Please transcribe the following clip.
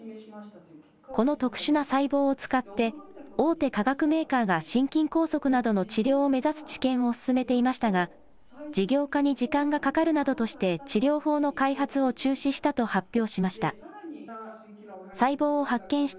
この特殊な細胞を使って、大手化学メーカーが心筋梗塞などの治療を目指す治験を進めていましたが、事業化に時間がかかるなどとして治療法の開発を中止したと発表しました。